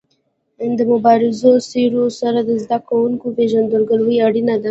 د مبارزو څېرو سره د زده کوونکو پيژندګلوي اړینه ده.